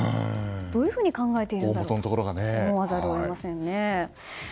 どういうふうに考えているのかと思わざるを得ませんね。